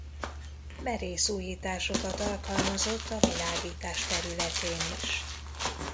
Merész újításokat alkalmazott a világítás területén is.